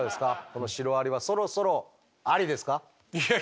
このシロアリはそろそろアリですか？